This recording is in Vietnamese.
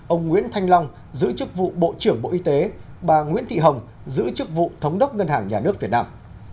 ông nguyễn thanh long giữ chức vụ bộ trưởng bộ y tế bà nguyễn thị hồng giữ chức vụ thống đốc ngân hàng nhà nước việt nam